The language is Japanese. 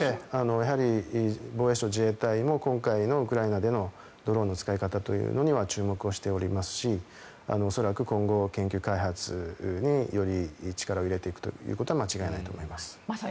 防衛省、自衛隊も今回のウクライナのドローンの使い方というのは注目していますし恐らく今後、研究開発により力を入れていくことは間違いないと思います。